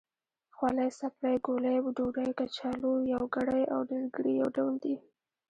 خولۍ، څپلۍ، ګولۍ، ډوډۍ، کچالو... يوګړی او ډېرګړي يو ډول دی.